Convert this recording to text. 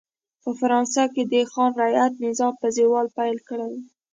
په فرانسه کې د خان رعیت نظام په زوال پیل کړی و.